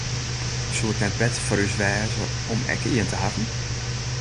Soe it net better foar ús wêze om ek ien te hawwen?